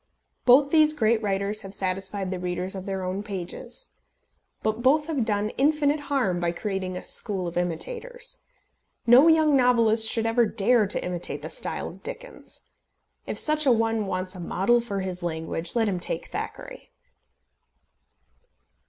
Both these great writers have satisfied the readers of their own pages; but both have done infinite harm by creating a school of imitators. No young novelist should ever dare to imitate the style of Dickens. If such a one wants a model for his language, let him take Thackeray.